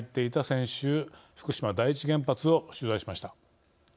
先週福島第一原発を取材しました。